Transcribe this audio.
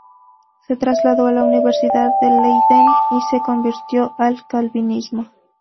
Se trasladó a la Universidad de Leiden y se convirtió al calvinismo.